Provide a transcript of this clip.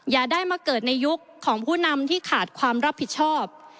อย่าได้มาเกิดในยุคของผู้นำที่ขาดความรับผิดชอบ